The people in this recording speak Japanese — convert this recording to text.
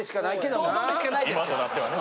今となってはね。